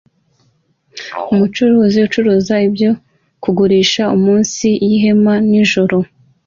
Umucuruzi ucuruza ibiryo bigurisha munsi yihema nijoro